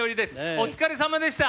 お疲れさまでした。